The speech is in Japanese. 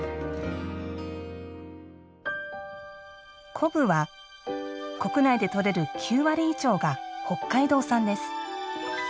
昆布は、国内で取れる９割以上が北海道産です。